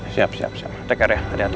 siap siap siap take care ya hati hati